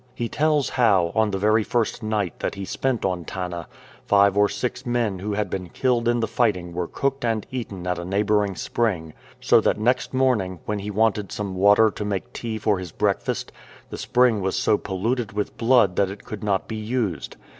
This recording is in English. He tells how, on the very first night that he spent on Tanna, five or six men who had been killed in the fighting were cooked and eaten at a neighbouring spring, so that next morning, when he wanted some water to make tea for his breakfast, the spring was so polluted with blood that it could not be used.